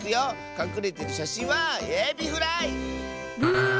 かくれてるしゃしんはエビフライ！ブー。